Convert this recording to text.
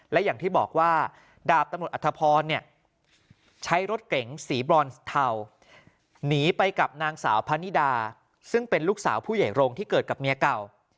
และอย่างที่บอกว่าดาบตำรวจอัธพรใช้รถเก๋งสีบรอนเทาหนีไปกับนางสาวพะนิดาซึ่งเป็นลูกสาวผู้ใหญ่โรงที่เกิดกับเมียเก่า